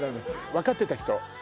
分かってた人？